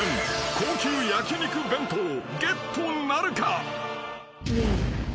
高級焼肉弁当ゲットなるか？］